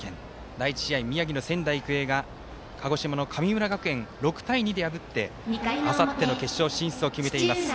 第１試合、宮城の仙台育英が鹿児島の神村学園を６対２で破ってあさっての決勝進出を決めています。